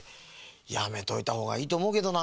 やめといたほうがいいとおもうけどな。